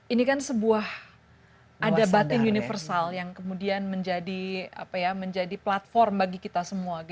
ini kan sebuah ada batin universal yang kemudian menjadi platform bagi kita semua